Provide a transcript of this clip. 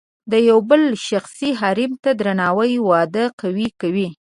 د یو بل شخصي حریم ته درناوی واده قوي کوي.